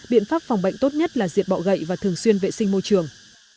biện pháp phòng bệnh tốt nhất là diệt bọ gậy và thường xuyên vệ sinh môi trường